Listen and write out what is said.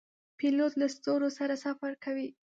پیلوټ له ستورو سره سفر کوي.